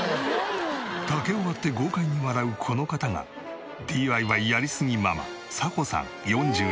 竹を割って豪快に笑うこの方がＤＩＹやりすぎママ早穂さん４４歳。